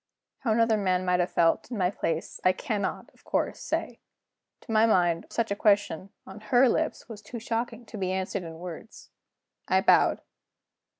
How another man might have felt, in my place, I cannot, of course, say. To my mind, such a question on her lips was too shocking to be answered in words. I bowed.